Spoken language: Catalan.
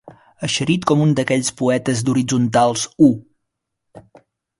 Eixerit com un d'aquells poetes d'horitzontals u.